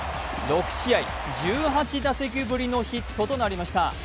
６試合１８打席ぶりのヒットとなりました。